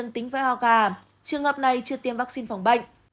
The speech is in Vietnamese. trường hợp này chưa tiêm vaccine phòng bệnh